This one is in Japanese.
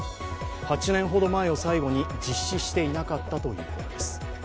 ８年ほど前を最後に実施していなかったということです。